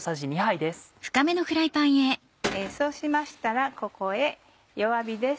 そうしましたらここへ弱火です。